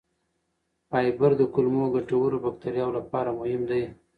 فایبر د کولمو ګټورو بکتریاوو لپاره مهم دی.